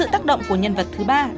hai triệu rưỡi